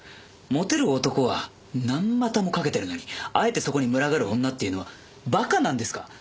モテる男は何股もかけてるのにあえてそこに群がる女っていうのは馬鹿なんですか？